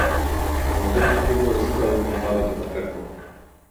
Como dote Hugo recibe el condado de Paternò.